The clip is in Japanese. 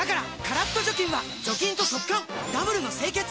カラッと除菌は除菌と速乾ダブルの清潔！